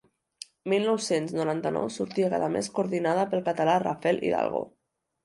Mil nou-cents noranta-nou sortia cada mes coordinada pel català Rafael Hidalgo.